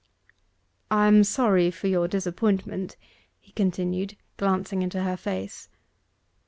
'I am sorry for your disappointment,' he continued, glancing into her face.